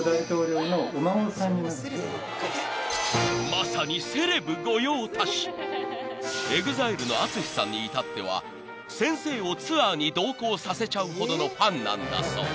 ［まさにセレブ御用達］［ＥＸＩＬＥのＡＴＳＵＳＨＩさんに至っては先生をツアーに同行させちゃうほどのファンなんだそう］